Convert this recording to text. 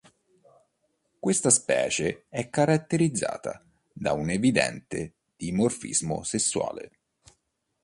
Questa specie è caratterizzata da un evidente dimorfismo sessuale.